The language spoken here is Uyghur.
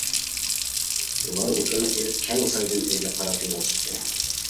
ئۇلار ئوتۇننى ئېلىپ كەڭ سايدىن ئۆيگە قاراپ يولغا چىقتى.